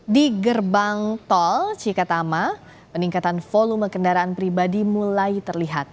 di gerbang tol cikatama peningkatan volume kendaraan pribadi mulai terlihat